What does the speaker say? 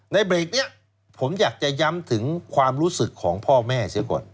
ในเบรกนี้ผมอยากจะย้ำถึงความรู้สึกของพ่อแม่เสียก่อน